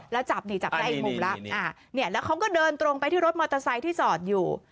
แล้วจับนี่จับได้อีกมุมแล้วเนี่ยแล้วเขาก็เดินตรงไปที่รถมอเตอร์ไซค์ที่จอดอยู่